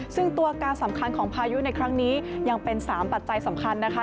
ซึ่งตัวการสำคัญของพายุในครั้งนี้ยังเป็น๓ปัจจัยสำคัญนะคะ